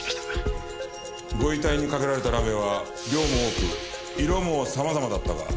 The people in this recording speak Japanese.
ご遺体にかけられたラメは量も多く色も様々だったが。